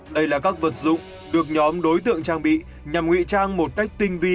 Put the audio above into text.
đây là các vật dụng được nhóm đối tượng trang bị nhằm ngụy trang một cách tinh vi